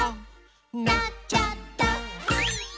「なっちゃった！」